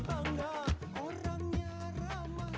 kata yang merah dan senyumnya menawan